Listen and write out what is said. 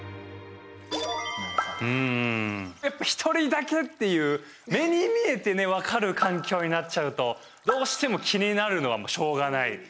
やっぱ１人だけっていう目に見えてねわかる環境になっちゃうとどうしても気になるのはもうしょうがない。